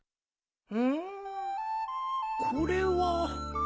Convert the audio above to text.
うんこれは。